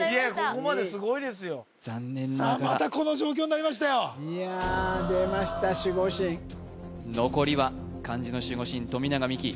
ここまですごいですよ残念ながらまたこの状況になりましたよいや出ました守護神残りは漢字の守護神富永美樹